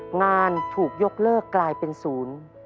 งานถูกยกเลิกกลายเป็นศูนย์